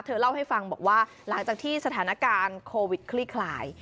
เล่าให้ฟังบอกว่าหลังจากที่สถานการณ์โควิดคลี่คลาย